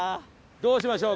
どうしましょう？